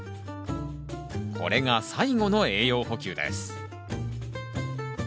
これが最後の栄養補給です。